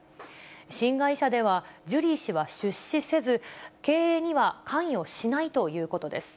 新会社ではジュリー氏は出資せず、経営には関与しないということです。